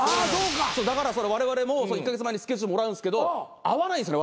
だからわれわれも１カ月前にスケジュールもらうんすけど合わないんですね